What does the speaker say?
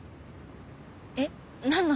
えっ？何の話？